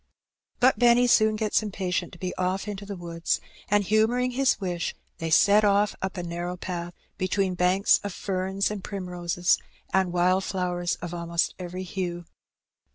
But Benny soon gets impatient to be off into the woods, and, humouring his wish, they set off up a narrow path, between banks of ferns and primroses and wild flowers of almost every hue.